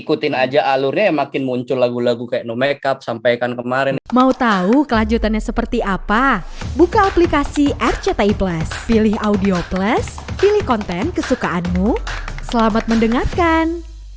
ikutin aja alurnya ya makin muncul lagu lagu kayak no makeup sampaikan kemarin